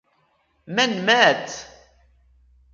من مات ؟